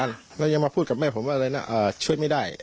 แล้วยังมาพูดกับแม่ผมว่าอะไรนะช่วยไม่ได้